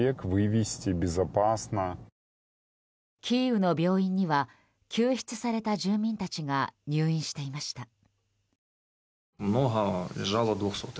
キーウの病院には救出された住民たちが入院していました。